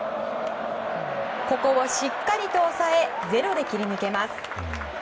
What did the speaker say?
ここをしっかりと抑えゼロで切り抜けます。